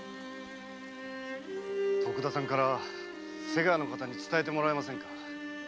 徳田さんから瀬川の方に伝えてもらえませんか。